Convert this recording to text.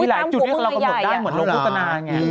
มีหลายจุดที่เรากำหนดได้เหมือนโรงพุทธนาเนี่ย